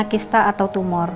kena kista atau tumor